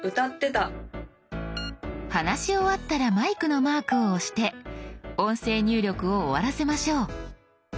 話し終わったらマイクのマークを押して音声入力を終わらせましょう。